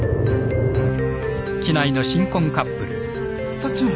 幸ちゃん。